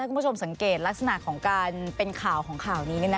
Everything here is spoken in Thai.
คุณผู้ชมสังเกตลักษณะของการเป็นข่าวของข่าวนี้